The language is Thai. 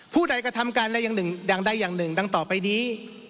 ผู้ใดกระทำการใดอย่างใดอย่างหนึ่งดังต่อไปนี้